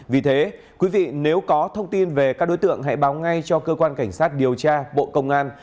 vì thế quý vị nếu có thông tin về các đối tượng hãy báo ngay cho cơ quan cảnh sát điều tra bộ công an